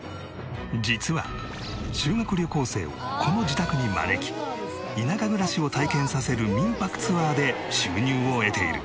実は修学旅行生をこの自宅に招き田舎暮らしを体験させる民泊ツアーで収入を得ている。